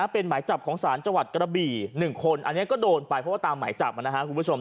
เป็นหมายจับของศาลจังหวัดกระบี่๑คนอันนี้ก็โดนไปเพราะว่าตามหมายจับนะครับคุณผู้ชม